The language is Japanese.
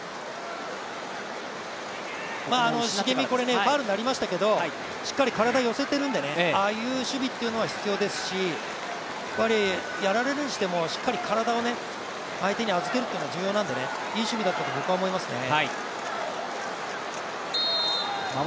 重見、ファウルになりましたけど、しっかり体を寄せているのでああいう守備というのは必要ですし、やられるにしても、しっかり体を相手に預けるというのは重要ですので、いい守備だったと僕は思いますね。